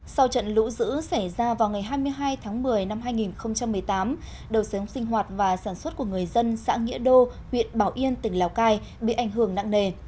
sau trận lũ dữ xảy ra vào ngày hai mươi hai tháng một mươi năm hai nghìn một mươi tám đầu sớm sinh hoạt và sản xuất của người dân xã nghĩa đô huyện bảo yên tỉnh lào cai bị ảnh hưởng nặng nề